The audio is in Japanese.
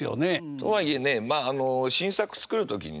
とはいえねまあ新作作る時にね